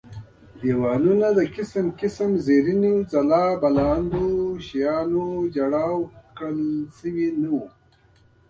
دېوالونه د قسم قسم زرینو ځل بلاندو شیانو جړاو کړل شوي نه وو.